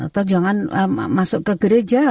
atau jangan masuk ke gereja